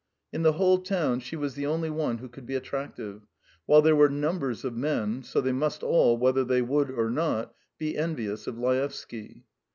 In the whole town she was the only one who could be attractive, while there were numbers of men, so they must all, whether they would or not, be envious of Laevsky.